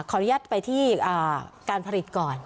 ขออนุญาตไปที่การผลิตก่อน